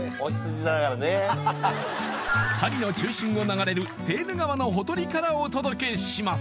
パリの中心を流れるセーヌ川のほとりからお届けします